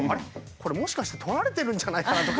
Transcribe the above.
これもしかして撮られてるんじゃないかなとか。